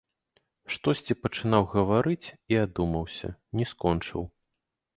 Штосьці пачынаў гаварыць і адумаўся, не скончыў.